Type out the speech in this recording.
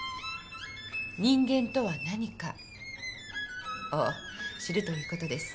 人間とは何かを知るということです。